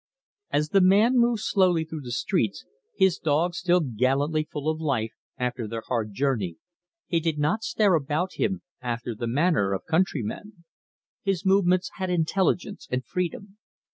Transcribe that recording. As the man moved slowly through the streets, his dogs still gallantly full of life after their hard journey, he did not stare about him after the manner of countrymen. His movements had intelligence and freedom.